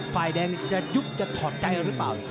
ฝ่ายแดงจะยุบจะถอดใจหรือเปล่า